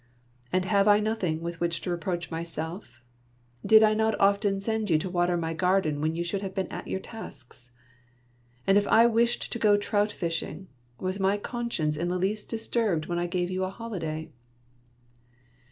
And have I nothing with which to reproach myself ? Did I not often send you to water my garden when you should have been at your tasks? And if I wished to go trout fishirtg, was my conscience in the least disturbed wl^e'n I gave you a holiday?"